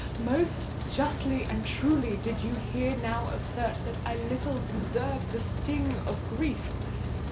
most justly and truly did you ere now assert that I little deserve the sting of grief!